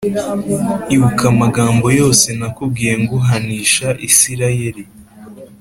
Ibuka amagambo yose nakubwiye nguhanisha Isirayeli